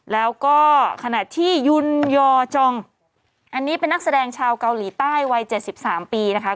แล้วก็ขณะที่ยุนยอจองอันนี้เป็นนักแสดงชาวเกาหลีใต้วัยเจ็ดสิบสามปีนะคะ